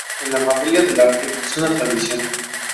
En la familia, el arte es una tradición.